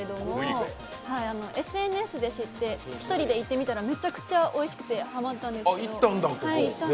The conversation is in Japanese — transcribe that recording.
ＳＮＳで知って、１人で行ってみたらめちゃめちゃおいしくてハマったんですよ。